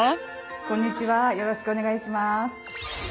こんにちはよろしくお願いします。